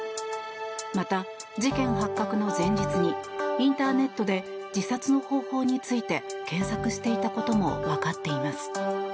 また事件発覚の前日にインターネットで自殺の方法について検索していたことも分かっています。